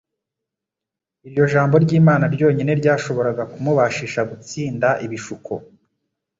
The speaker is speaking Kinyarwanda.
Iryo Jambo ry'Imana ryonyine ryashoboraga kumubashisha gutsinda ibishuko.